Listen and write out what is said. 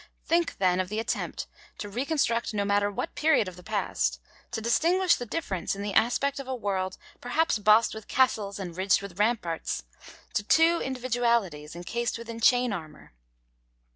Think, then, of the attempt to reconstruct no matter what period of the past, to distinguish the difference in the aspect of a world perhaps bossed with castles and ridged with ramparts, to two individualities encased within chain armour!